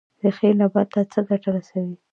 ریښې نبات ته څه ګټه رسوي؟